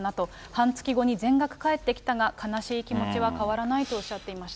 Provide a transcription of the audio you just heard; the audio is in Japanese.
半月後に全額返ってきたが、悲しい気持ちは変わらないとおっしゃっていました。